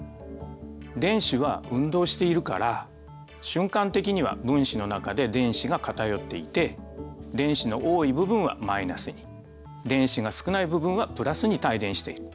電子は運動しているから瞬間的には分子の中で電子が偏っていて電子の多い部分はマイナスに電子が少ない部分はプラスに帯電している。